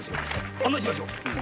案内しましょう。